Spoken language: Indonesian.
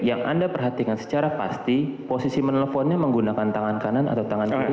yang anda perhatikan secara pasti posisi menelponnya menggunakan tangan kanan atau tangan kiri